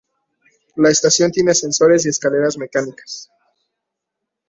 La estación tiene ascensores y escaleras mecánicas.